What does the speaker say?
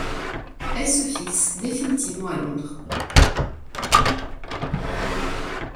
Elle se fixe définitivement à Londres.